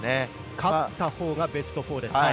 勝ったほうがベスト４です。